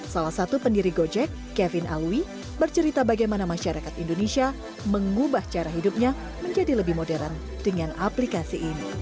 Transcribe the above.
salah satu pendiri gojek kevin alwi bercerita bagaimana masyarakat indonesia mengubah cara hidupnya menjadi lebih modern dengan aplikasi ini